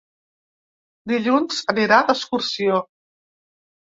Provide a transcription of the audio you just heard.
Dilluns anirà d'excursió.